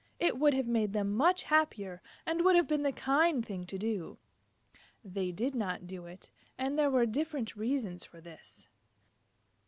It would have made them much happier and would have been the kind thing to do. They did not do it, and there were different reasons for this.